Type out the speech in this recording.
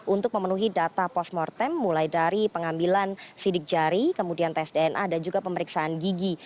untuk memenuhi data post mortem mulai dari pengambilan sidik jari kemudian tes dna dan juga pemeriksaan gigi